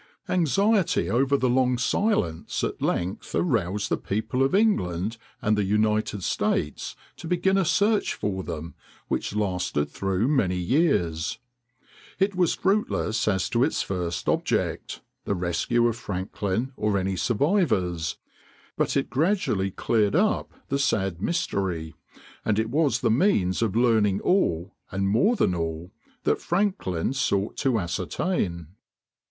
Anxiety over the long silence at length aroused the people of England and the United States to begin a search for them which lasted through many years. It was fruitless as to its first object,—the rescue of Franklin or any survivors,—but it gradually cleared up the sad mystery, and it was the means of learning all, and more than all, that Franklin sought to ascertain.